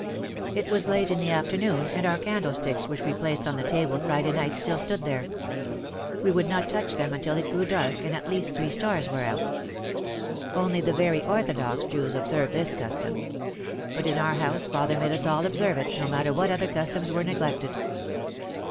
It was late in the afternoon and our candlesticks which, we placed on the table Friday night still stood there. We would not touch them until it grew dark and at least three stars were out. Only the very orthodox Jews observe this custom. But in our house father made us all observe it, no matter what other customs were neglected.